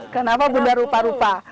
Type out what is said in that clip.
kenapa bunda rupa rupa